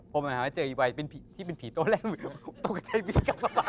พวกมันมาเจออีวัยที่เป็นผีตัวแรกต้องกระจายวิ่งกลับมาบ้าน